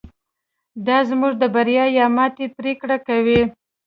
دا زموږ د بریا یا ماتې پرېکړه کوي.